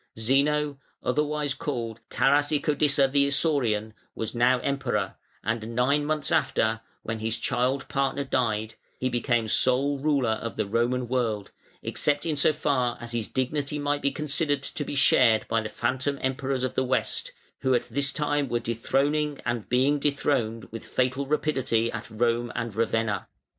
Zeno, otherwise called Tarasicodissa the Isaurian, was now Emperor, and nine months after, when his child partner died, he became sole ruler of the Roman world, except in so far as his dignity might be considered to be shared by the phantom Emperors of the West, who at this time were dethroning and being dethroned with fatal rapidity at Rome and Ravenna.